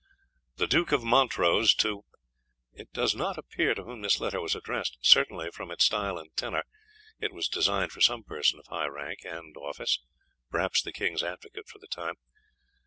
_The Duke of Montrose to _It does not appear to whom this letter was addressed. Certainly, from its style and tenor, It was designed for some person high in rank and office perhaps the King's Advocate for the time.